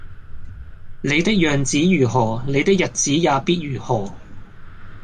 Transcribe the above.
你的樣子如何，你的日子也必如何